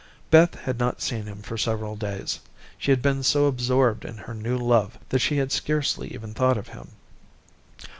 Beth had not seen him for several days. She had been so absorbed in her new love that she had scarcely even thought of him.